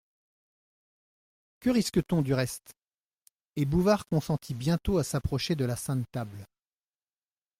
Que risque-t-on, du reste ?, et Bouvard consentit bientôt à s'approcher de la sainte table.